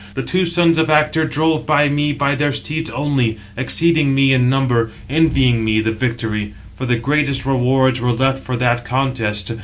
The two sons of Actor drove by me by their steeds only, exceeding me in number, envying me the victory, for the greatest rewards were left for that contest.